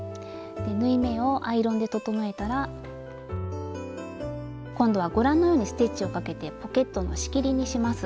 で縫い目をアイロンで整えたら今度はご覧のようにステッチをかけてポケットの仕切りにします。